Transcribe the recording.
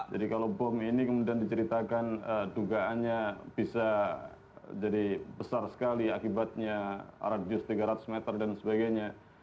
jadi kalau bom ini kemudian diceritakan dugaannya bisa jadi besar sekali akibatnya radius tiga ratus meter dan sebagainya